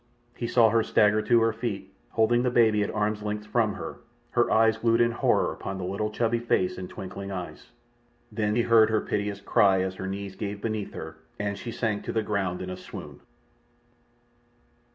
He saw her stagger to her feet, holding the baby at arm's length from her, her eyes glued in horror upon the little chubby face and twinkling eyes. Then he heard her piteous cry as her knees gave beneath her, and she sank to the ground in a swoon.